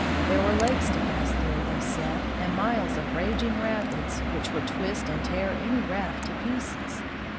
There were lakes to pass through, they said, and miles of raging rapids, which would twist and tear any raft to pieces.